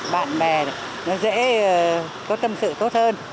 bạn bè nó dễ có tâm sự tốt hơn